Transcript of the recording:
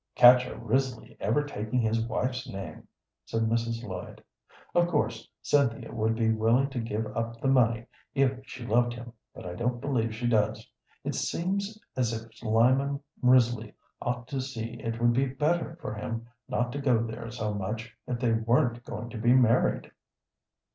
"Catch a Risley ever taking his wife's name!" said Mrs. Lloyd. "Of course Cynthia would be willing to give up the money if she loved him, but I don't believe she does. It seems as if Lyman Risley ought to see it would be better for him not to go there so much if they weren't going to be married."